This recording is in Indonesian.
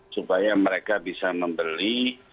supaya mereka bisa membeli